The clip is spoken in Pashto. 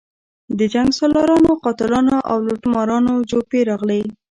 د جنګسالارانو، قاتلانو او لوټمارانو جوپې راغلي.